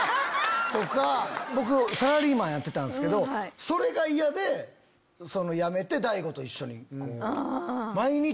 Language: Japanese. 僕サラリーマンやってたんすけどそれが嫌で辞めて大悟と一緒に。